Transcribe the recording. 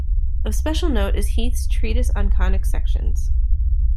Of special note is Heath's "Treatise on Conic Sections".